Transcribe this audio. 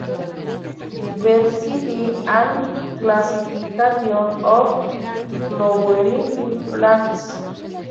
Diversity and Classification of Flowering Plants.